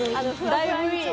「だいぶいい」